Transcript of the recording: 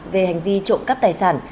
về hành vi trộm cắp tài sản